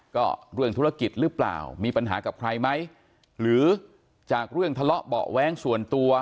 ก็เรื่องธุรกิจหรือเปล่ามีปัญหากับใครไหมหรือจากเรื่องทะเลาะเบาะแว้งส่วนตัว